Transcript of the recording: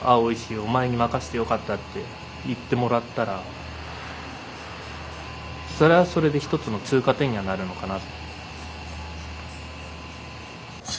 お前に任せてよかった」って言ってもらったらそれはそれで一つの通過点にはなるのかな。